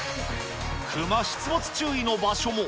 クマ出没注意の場所も。